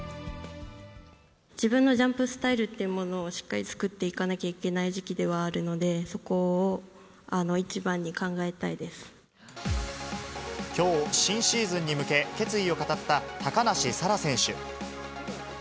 自分のジャンプスタイルというものをしっかり作っていかなきゃいけない時期ではあるので、きょう、新シーズンに向け決意を語った高梨沙羅選手。